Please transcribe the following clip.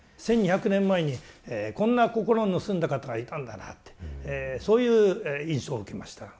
１２００年前にこんな心の澄んだ方がいたんだなってそういう印象を受けました。